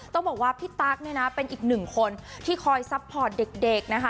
ต้องบอกว่าพี่ตั๊กเนี่ยนะเป็นอีกหนึ่งคนที่คอยซัพพอร์ตเด็กนะคะ